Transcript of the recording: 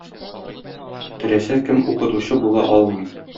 Теләсә кем укытучы була алмый.